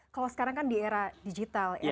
kalau sekarang kan di era digital ya